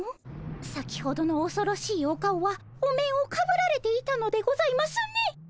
先ほどのおそろしいお顔はお面をかぶられていたのでございますね。